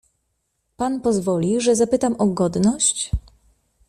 "Pan pozwoli, że zapytam o godność?"